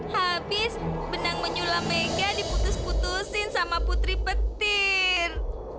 habis benang menyula mega diputus putusin sama putri petir